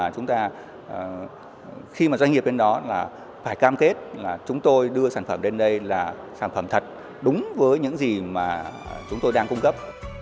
chúng ta khi mà doanh nghiệp đến đó là phải cam kết là chúng tôi đưa sản phẩm đến đây là sản phẩm thật đúng với những gì mà chúng tôi đang cung cấp